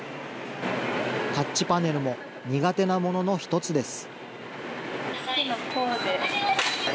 タッチパネルも苦手なものの一つです。